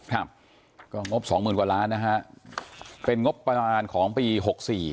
ครับก็งบสองหมื่นกว่าล้านนะฮะเป็นงบประมาณของปีหกสี่